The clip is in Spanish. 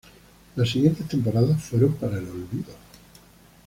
Las siguientes temporadas fueron para el olvido.